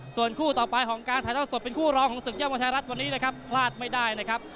ส่วนคู่ต่อไปของการถ่ายท่องสดเป็นคู่รองของศึกเยี่ยมวัฒนารัฐวันนี้นะครับ